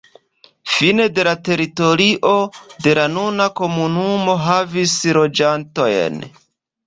Fine de la teritorio de la nuna komunumo havis loĝantojn.